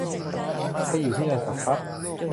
ไปอยู่ที่นั่นสักพัก